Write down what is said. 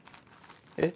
えっ？